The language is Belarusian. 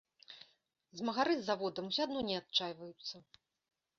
Змагары з заводам усё адно не адчайваюцца.